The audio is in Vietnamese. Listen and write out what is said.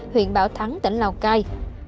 huyện bảo thắng tỉnh lào cai